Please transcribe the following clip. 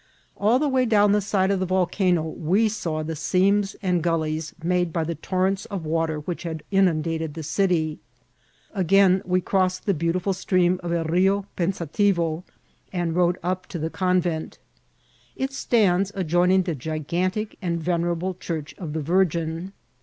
COMTBMT OP CIUDAD TISJA. 861 All the way down the side of the voleano we saw the seams and gullies made by the tonents of water which had inundated the city. Again we crossed the beauti ful stream of El Bio Pensativo, and rode up to the con vent. It stands adjoining the gigantic and venerable church of the Virgin.